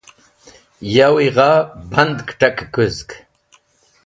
Yawi gha band kẽt̃akẽkũzg.